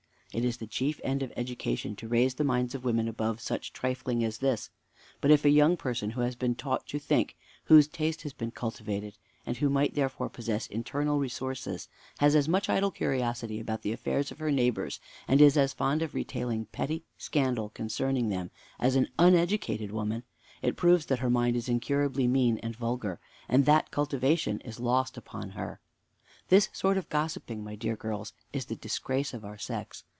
It is the chief end of education to raise the minds of women above such trifling as this. But if a young person who has been taught to think, whose taste has been cultivated, and who might therefore possess internal resources, has as much idle curiosity about the affairs of her neighbors, and is as fond of retailing petty scandal concerning them, as an uneducated woman, it proves that her mind is incurably mean and vulgar, and that cultivation is lost upon her. "This sort of gossiping, my dear girls, is the disgrace of our sex.